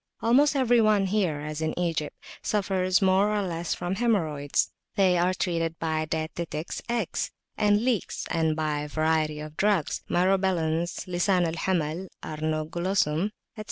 Almost every one here, as in Egypt, suffers more or less from haemorrhoids; they are treated by dietetics eggs and leeks and by a variety of drugs, Myrobalans, Lisan al Hamal (Arnoglossum), etc.